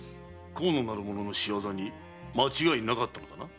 河野なる者の仕業に間違いなかったのか？